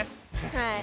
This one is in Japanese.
はい。